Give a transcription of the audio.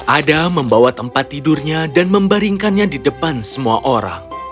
ada membawa tempat tidurnya dan membaringkannya di depan semua orang